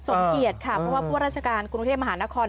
สมเกียรติค่ะเพราะว่ารัฐกาลกรุงที่มหานคร